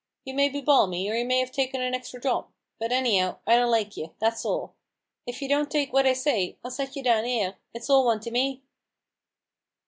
You may be balmy, or you may 'ave taken an extra drop — but, any'ow, I don't like you, that's all ! If you don't take what I say, I'll set you down 'ere — it's all one to me